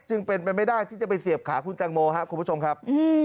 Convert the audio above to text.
จึงเป็นไปไม่ได้ที่จะไปเสียบขาคุณแตงโมครับคุณผู้ชมครับ